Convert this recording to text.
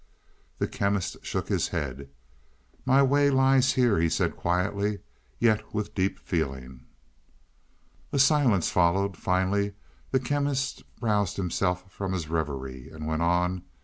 The Chemist shook his head. "My way lies here," he said quietly, yet with deep feeling. A silence followed; finally the Chemist roused himself from his reverie, and went on.